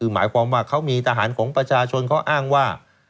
หมายความว่าเขามีทหารของประชาชนเขาอ้างว่า